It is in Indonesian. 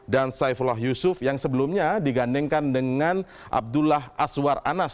dan saifullah yusuf yang sebelumnya digandengkan dengan abdullah aswar anas